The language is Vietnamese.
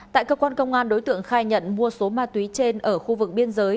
tại cơ quan công an đối tượng khai nhận mua số ma túy trên ở khu vực biên giới